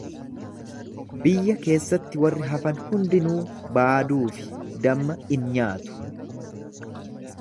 Biyya keessatti warri hafan hundinuu baaduu fi damma in nyaatu.